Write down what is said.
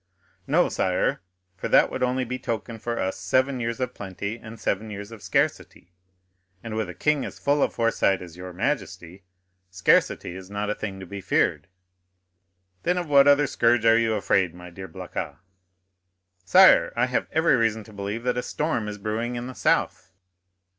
"No, sire, for that would only betoken for us seven years of plenty and seven years of scarcity; and with a king as full of foresight as your majesty, scarcity is not a thing to be feared." "Then of what other scourge are you afraid, my dear Blacas?" "Sire, I have every reason to believe that a storm is brewing in the south."